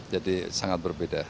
jadi sangat berbeda